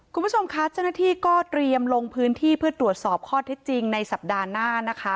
คุณผู้ชมคะเจ้าหน้าที่ก็เตรียมลงพื้นที่เพื่อตรวจสอบข้อเท็จจริงในสัปดาห์หน้านะคะ